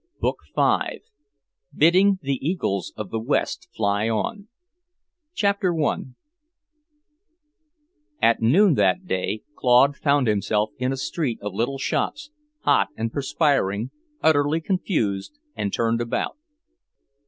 Book Five: "Bidding the Eagles of the West Fly On" I At noon that day Claude found himself in a street of little shops, hot and perspiring, utterly confused and turned about.